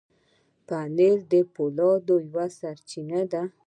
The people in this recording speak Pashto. پنېر د فولاد یوه سرچینه ده.